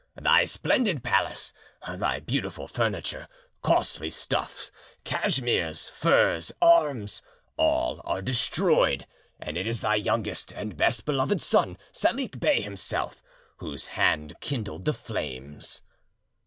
Thy splendid palace, thy beautiful furniture, costly stuffs, cashmeers, furs, arms, all are destroyed! And it is thy youngest and best beloved son, Salik Bey himself, whose hand kindled the flames!"